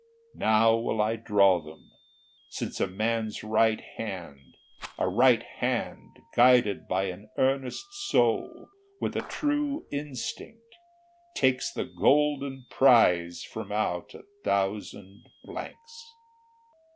Now will I draw them, since a man's right hand, A right hand guided by an earnest soul, With a true instinct, takes the golden prize From out a thousand blanks.